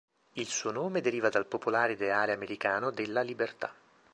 Il suo nome deriva dal popolare ideale americano della libertà.